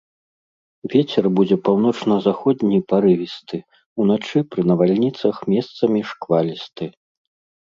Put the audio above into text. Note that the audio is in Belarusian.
Вецер будзе паўночна-заходні парывісты, уначы пры навальніцах месцамі шквалісты.